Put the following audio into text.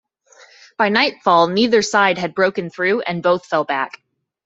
By nightfall, neither side had broken through, and both fell back.